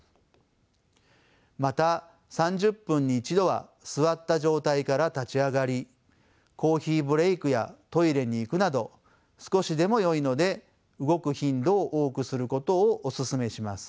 また３０分に１度は座った状態から立ち上がりコーヒーブレークやトイレに行くなど少しでもよいので動く頻度を多くすることをお勧めします。